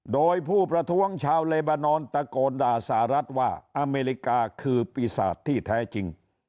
โดยผู้ประท้วงชาวเลบานอนตะโกนด่าสหรัฐว่าอเมริกาคือปีศาจที่แท้จริง